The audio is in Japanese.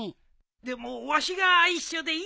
でもわしが一緒でいいのかい？